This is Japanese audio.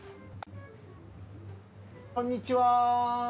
こんにちは。